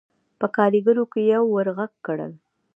په کارېګرو کې يوه ور غږ کړل: